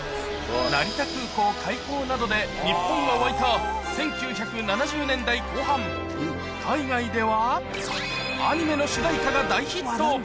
成田空港開港などで日本が沸いた１９７０年代後半、海外では、アニメの主題歌が大ヒット。